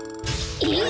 えっ？